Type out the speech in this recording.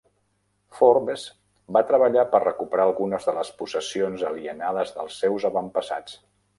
Forbes va treballar per recuperar algunes de les possessions alienades dels seus avantpassats.